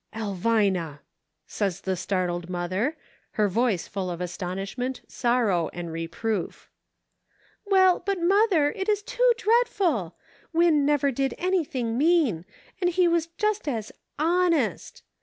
" Elvina !" says the startled mother, her voice full of astonishment, sorrow and reproof. " Well, but, mother, it is too dreadful ! Win never did anything mean ; and he was just as hon est